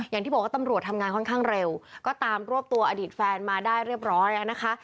อย่างที่บอกว่าตำรวจทำงานค่อนข้างเร็วก็ตามรวบตัวอดีตแฟนมาได้เรียบร้อยอ่ะนะคะ